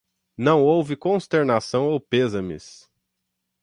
Não houve consternação ou pêsames